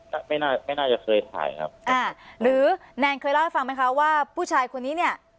ก็ไม่น่าไม่น่าจะเคยถ่ายครับอ่าหรือแนนเคยเล่าให้ฟังไหมคะว่าผู้ชายคนนี้เนี่ย